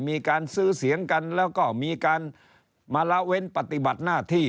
มีการซื้อเสียงกันแล้วก็มีการมาละเว้นปฏิบัติหน้าที่